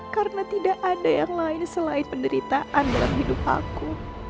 karena tidak ada yang lain selain penderitaan dalam hidup aku